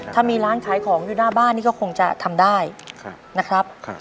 ถ้ามีร้านขายของอยู่หน้าบ้านนี่ก็คงจะทำได้นะครับ